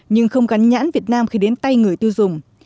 nhưng không gắn nhãn việt nam khi đến tay người tiêu dùng